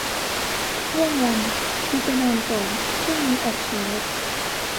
ง่วงยัง กูไปนอนก่อน พรุ่งนี้ออกเช้า